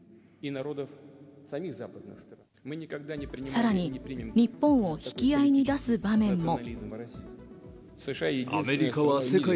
さらに日本を引き合いに出す場面も。